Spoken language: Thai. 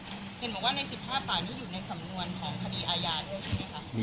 เห็นบอกว่าใน๑๕ปากนี้อยู่ในสำนวนของคดีอาญาด้วยใช่ไหมคะ